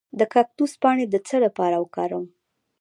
د کاکتوس پاڼې د څه لپاره وکاروم؟